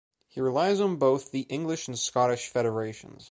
He relies on both the English and Scottish federations.